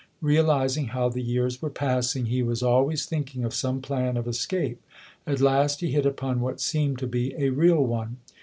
Realizing how the years were passing, he was always thinking of some plan of escape. At last he hit upon what seemed to be a real one.